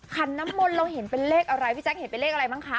ขันน้ำมนต์เราเห็นเป็นเลขอะไรพี่แจ๊คเห็นเป็นเลขอะไรบ้างคะ